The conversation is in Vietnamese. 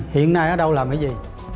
hiện nay ở đâu làm cái gì